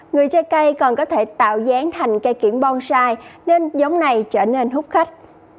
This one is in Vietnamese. người chơi cây còn có thể tạo dáng thành cây kiển bonsai nên giống này trở nên hút khách